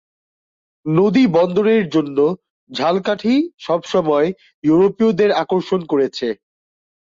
নদী বন্দরের জন্য ঝালকাঠি সবসময় ইউরোপীয়দের আকর্ষণ করেছে।